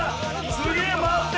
すげえ回ってる！